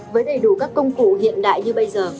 với đầy đủ các công cụ hiện đại như bây giờ